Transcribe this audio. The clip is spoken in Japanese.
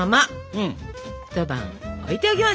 うん？